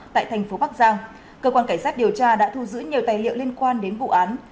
tại thành phố bắc giang cơ quan cảnh sát điều tra đã thu giữ nhiều tài liệu liên quan đến vụ án